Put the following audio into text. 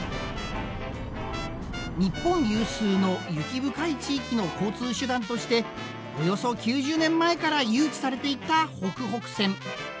日本有数の雪深い地域の交通手段としておよそ９０年前から誘致されていたほくほく線。